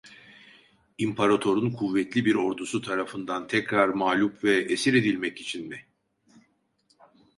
İmparator'un kuvvetli bir ordusu tarafından tekrar mağlup ve esir edilmek için mi?